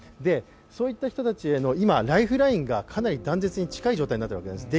そういった人たちへのライフラインが断絶に近い状態になっているわけなんです。